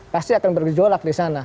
pasti akan bergejolak di sana